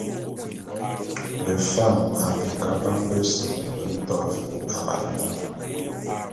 Befam a binga bap bese be nto ve avale da.